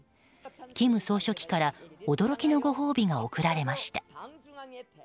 金総書記から驚きのご褒美が贈られました。